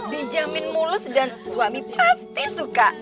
dijamin mulus dan suami pasti suka